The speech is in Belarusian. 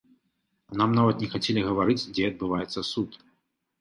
Нам нават не хацелі гаварыць, дзе адбываецца суд.